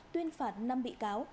tuyên phạt năm bị cáo